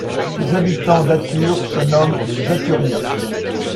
Les habitants d'Atur se nomment les Aturiens.